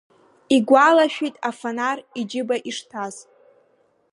Игәалашәеит афонар иџьыба ишҭаз.